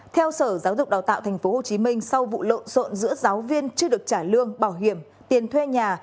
theo sở giáo dục đào tạo tp hcm sau vụ lộn rộn giữa giáo viên chưa được trả lương bảo hiểm tiền thuê nhà